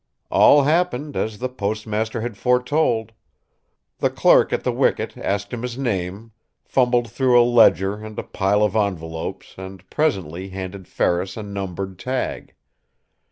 All happened as the postmaster had foretold. The clerk at the wicket asked him his name, fumbled through a ledger and a pile of envelopes and presently handed Ferris a numbered tag.